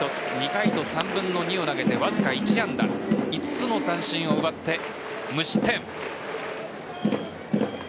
２回と３分の２を投げてわずか１安打５つの三振を奪って無失点。